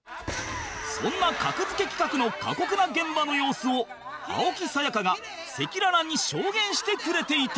そんな「格付け」企画の過酷な現場の様子を青木さやかが赤裸々に証言してくれていた